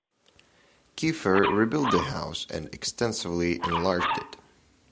Keefer rebuilt the house and extensively enlarged it.